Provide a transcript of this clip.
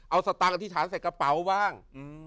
เอาสตางคิฐานใส่กระเป๋าบ้าง